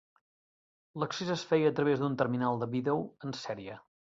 L'accés es feia a través d'un terminal de vídeo en sèrie.